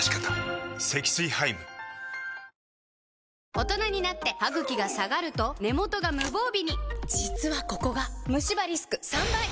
大人になってハグキが下がると根元が無防備に実はここがムシ歯リスク３倍！